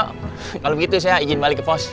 kalau begitu saya izin balik ke pos